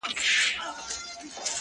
ځوانه د لولیو په بازار اعتبار مه کوه؛